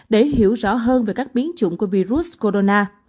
để hiểu rõ hơn về các biến chủng của virus corona